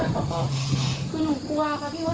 พี่กำลังมากอบน้ำ